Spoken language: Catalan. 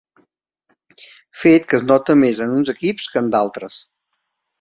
Fet que es nota més en uns equips que en d'altres.